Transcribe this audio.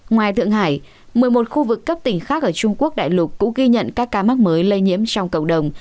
ngoài thượng hải một mươi một khu vực cấp tỉnh khác ở trung quốc đại lục cũng ghi nhận các ca mắc mới lây nhiễm trong cộng đồng